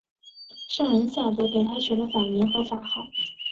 上仁下德给他取了法名和法号。